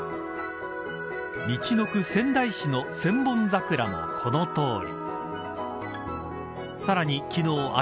みちのく、仙台市の千本桜もこのとおり。